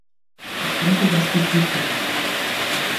Ich denke, dass dies wichtig ist.